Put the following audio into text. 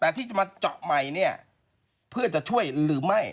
แต่ที่จะมาเจาะใหม่เนี่ยเพื่อจะช่วยหรือไม่